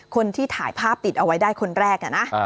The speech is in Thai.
คนที่ถ่ายภาพติดเอาไว้ได้คนแรกนะ